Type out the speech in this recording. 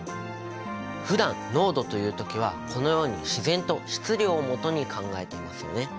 ふだん濃度というときはこのように自然と質量を基に考えていますよね。